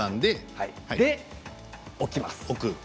それで置きます。